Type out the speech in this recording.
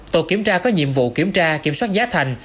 tổ kiểm tra có nhiệm vụ kiểm tra kiểm soát giá thành